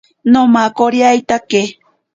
Nomakoriatake.